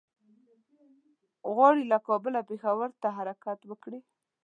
غواړي له کابله پېښور ته حرکت وکړي.